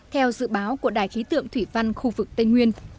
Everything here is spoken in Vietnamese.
theo dự báo của đài khí tượng thủy văn khu vực tây nguyên